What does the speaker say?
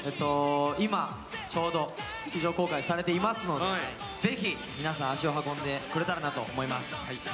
今、ちょうど劇場公開されていますのでぜひ皆さん、足を運んでくれたらなと思います。